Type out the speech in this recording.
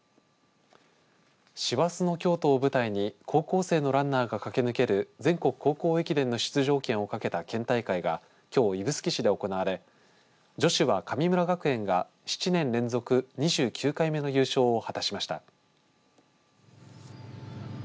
師走の京都を舞台に高校生のランナーが駆け抜ける全国高校駅伝の出場権を兼ねた県大会がきょう指宿市で行われ女子は、神村学園が７年連続２９回目の優勝を果たしました。